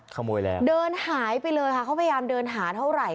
ขโมยแล้วเดินหายไปเลยค่ะเขาพยายามเดินหาเท่าไหร่